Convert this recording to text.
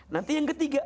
nanti yang ketiga